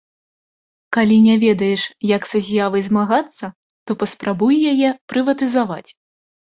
Калі не ведаеш, як са з'явай змагацца, то паспрабуй яе прыватызаваць.